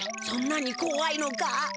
そんなにこわいのか？